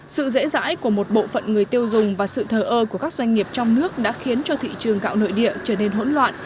sự dễ dãi của một bộ phận người tiêu dùng và sự thờ ơ của các doanh nghiệp trong nước đã khiến cho thị trường gạo nội địa trở nên hỗn loạn